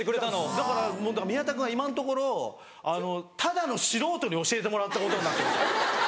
だから宮田君は今のところただの素人に教えてもらったことになってますから。